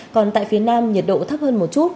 còn tại phía nam nhiệt độ thấp hơn một chút